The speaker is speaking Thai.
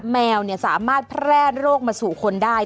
แมวสามารถแพร่โรคมาสู่คนได้